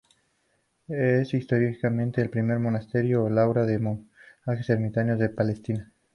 Es históricamente el primer monasterio, o laura, de monjes ermitaños de Palestina.